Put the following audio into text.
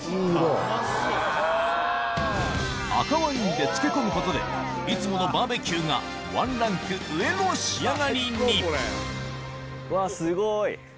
赤ワインで漬け込むことでいつものバーベキューがワンランク上の仕上がりに！